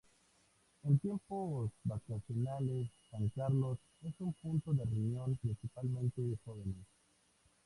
En tiempos vacacionales San Carlos es un punto de reunión principalmente de jóvenes.